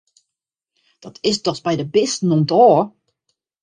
Dat is dochs by de bisten om't ôf!